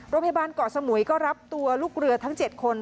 โรงพยาบาลเกาะสมุยก็รับตัวลูกเรือทั้ง๗คน